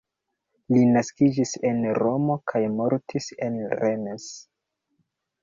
Li naskiĝis en Romo kaj mortis en Rennes.